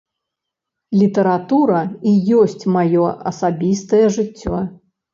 Літаратура і ёсць маё асабістае жыццё.